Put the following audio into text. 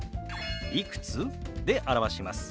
「いくつ？」で表します。